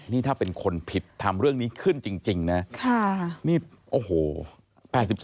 นี่ถ้าเป็นคนผิดทำเรื่องนี้ขึ้นจริงนะนี่โอ้โห